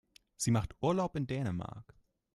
Sie macht Urlaub in Dänemark.